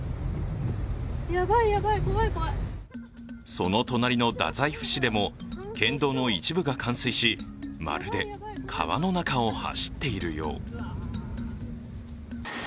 その隣の太宰府市でも県道の一部が冠水しまるで川の中を走っているよう。